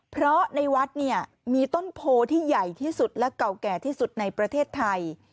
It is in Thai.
เพราะในวัดเนี่ยมีต้นโพที่ใหญ่ที่สุดและเก่าแก่ที่สุดในประเทศไทย